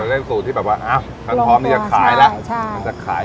ก็จะได้สูตรที่แบบว่าอ้าวคันพร้อมนี้จะขายแล้วใช่มันจะขาย